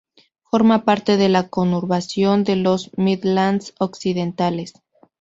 Forma parte de la conurbación de los Midlands Occidentales.